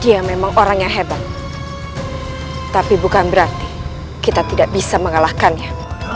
dia memang orang yang hebat tapi bukan berarti kita tidak bisa mengalahkannya